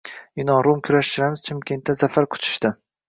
Yunon-rum kurashchilarimiz Chimkentda zafar quchishding